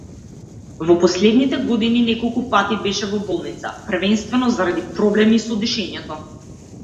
Во последните години неколку пати беше во болница, првенствено заради проблеми со дишењето.